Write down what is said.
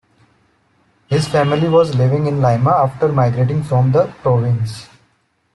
His family was living in Lima after migrating from the province.